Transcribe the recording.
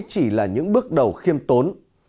chỉ là những bước đầu khiêm tốn